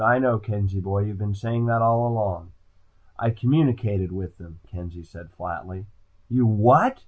"I know, Kenzie boy. You've been saying that all along." "I communicated with them," Kenzie said flatly. "You what?"